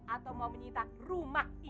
atau mau menyita rumah ibadah